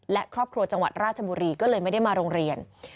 และครอบครัวจังหวัดราชบุรีก็เลยไม่ได้มาโรงเรียน